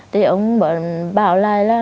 thì ông bảo lại là